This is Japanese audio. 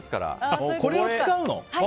あ、これを使うの？